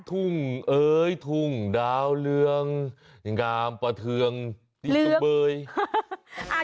ธุงเอ๋ยธุงดาวเรืองงามปลาเทืองดีสบาย